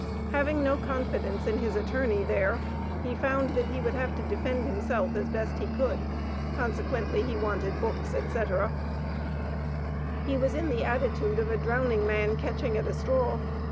Having no confidence in his attorney there he found that he would have to defend himself as best he could, consequently he wanted books, etc. He was in the attitude of a drowning man catching at a straw.